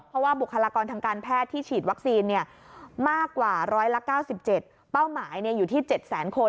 เพราะว่าบุคลากรทางการแพทย์ที่ฉีดวัคซีนมากกว่า๑๙๗เป้าหมายอยู่ที่๗แสนคน